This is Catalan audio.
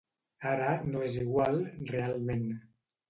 Ara no és igual, realment.